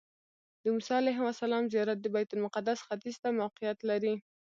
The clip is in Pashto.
د موسی علیه السلام زیارت د بیت المقدس ختیځ ته موقعیت لري.